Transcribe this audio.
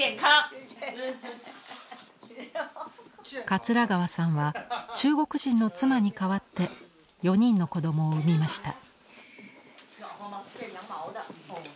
桂川さんは中国人の妻に代わって４人の子どもを産みました。